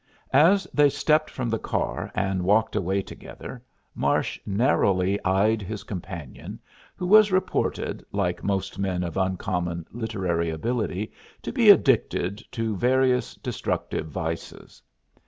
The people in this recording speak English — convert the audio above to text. As they stepped from the car and walked away together Marsh narrowly eyed his companion, who was reported, like most men of uncommon literary ability, to be addicted to various destructive vices.